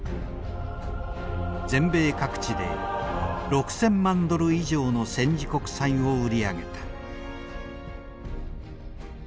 全米各地で６，０００万ドル以上の戦時国債を売り上げた。